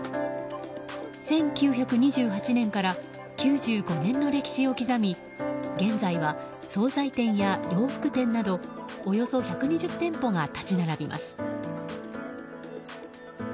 １９２８年から９５年の歴史を刻み現在は総菜店や洋服店などおよそ１２０店舗が立ち並びます。